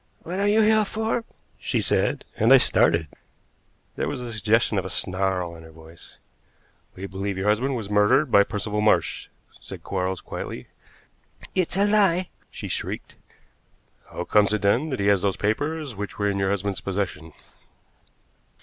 "What are you here for?" she said, and I started. There was the suggestion of a snarl in her voice. "We believe your husband was murdered by Percival Marsh," said Quarles quietly. "It's a lie!" she shrieked. "How comes it, then, that he has those papers which were in your husband's possession?"